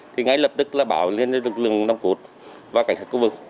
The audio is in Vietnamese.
thì ngay lập tức là bảo lên lực lượng nông cốt và cảnh sát khu vực